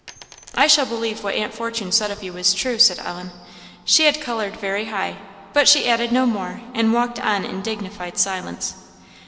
"I shall believe what Aunt Fortune said of you was true," said Ellen. She had coloured very high, but she added no more, and walked on in dignified silence.